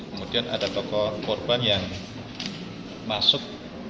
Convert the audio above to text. kemudian ada tokoh korban yang masuk